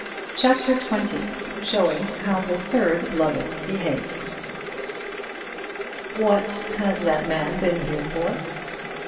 CHAPTER XX Showing How the Third Lover Behaved "What has that man been here for?"